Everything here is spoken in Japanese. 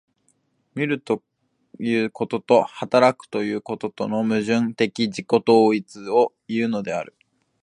見るということと働くということとの矛盾的自己同一をいうのである。